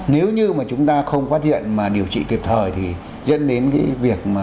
nếu như mà chúng ta không phát hiện mà điều trị kịp thời thì dân đến cái việc